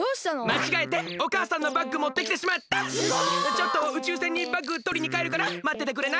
ちょっと宇宙船にバッグとりにかえるからまっててくれない？